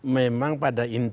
memang pada intu